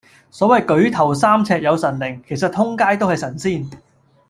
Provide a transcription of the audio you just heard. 所謂舉頭三尺有神靈，其實通街都係神仙